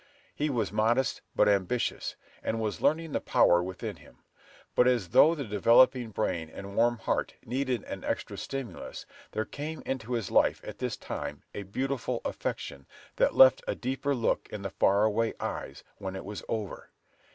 He was modest, but ambitious, and was learning the power within him. But as though the developing brain and warm heart needed an extra stimulus, there came into his life, at this time, a beautiful affection, that left a deeper look in the far away eyes, when it was over.